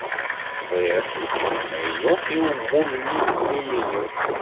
Bɣiɣ aselkim amaynu i umulli-inu.